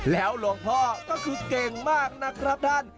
แล้วหลวงพ่อก็คือเก่งมากนะครับท่าน